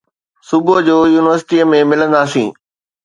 صبح جو يونيورسٽيءَ ۾ ملنداسين